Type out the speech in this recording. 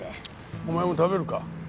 お前も食べるか？